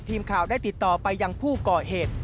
ทีมข่าวได้ติดต่อไปยังผู้ก่อเหตุ